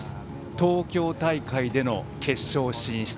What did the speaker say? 東京大会での決勝進出。